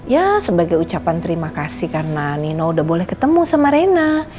ya sebagai ucapan terima kasih karena nino udah boleh ketemu sama rena